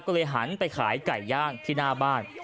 ก็เลยหันไปขายไก่ย่างที่หน้าบ้าน